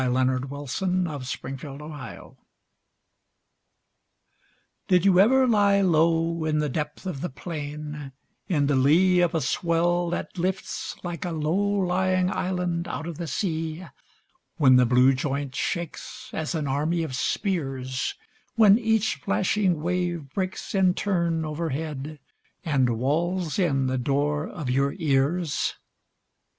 43 44 PRAIRIE SONGS IN THE AUTUMN GRASS. Did you ever lie low In the depth of the plain, & In the lee of a swell that lifts Like a low lying island out of the sea, When the blue joint shakes As an army of spears; When each flashing wave breaks In turn overhead And wails in the door of your ears